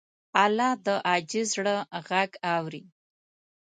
الله د عاجز زړه غږ اوري.